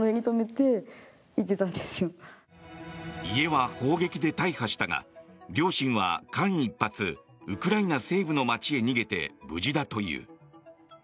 家は砲撃で大破したが両親は間一髪ウクライナ西部の街へ逃げて無事だという。